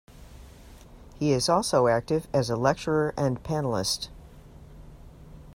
He is also active as a lecturer and panelist.